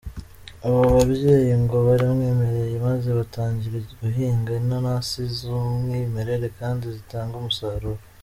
Abo babyeyi ngo baramwemereye maze batangira guhinga inanasi z’umwimerere kandi zitanga umusaruro.